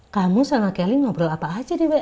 kamu sama kelly ngobrol apa aja di wk